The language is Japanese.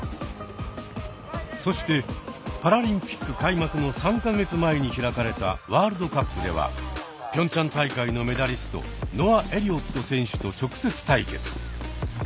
そしてパラリンピック開幕の３か月前に開かれたワールドカップではピョンチャン大会のメダリストノア・エリオット選手と直接対決。